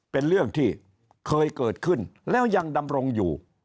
เป็นเรื่องที่เคยเกิดขึ้นแล้วยังดำรงอยู่